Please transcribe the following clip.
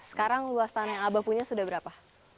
sekarang luas tanah yang abah punya sudah berapa